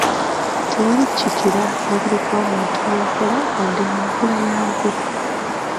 Tewali kikira mubiri gwa muntu mu nkola wadde mu nkula yaagwo.